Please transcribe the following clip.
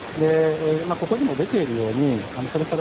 ここでも出ているようにそれから